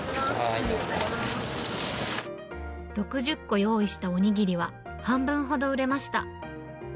６０個用意したお握りは、半分ほど売れました。